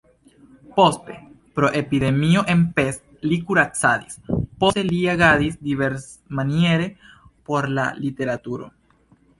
Poste pro epidemio en Pest li kuracadis, poste li agadis diversmaniere por la literaturo.